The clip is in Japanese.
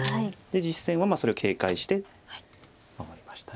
実戦はそれを警戒して守りました。